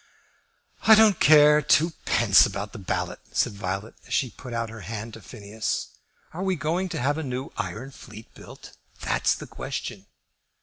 "I don't care twopence about the ballot," said Violet, as she put out her hand to Phineas. "Are we going to have a new iron fleet built? That's the question."